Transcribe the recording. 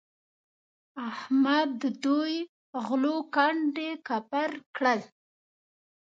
احمد دوی غلو کنډ او کپر کړل.